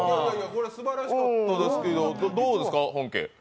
すばらしかったですけど、どうですか、本家？